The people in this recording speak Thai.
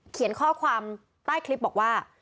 เขียนข้อความใต้คลิปบอกว่า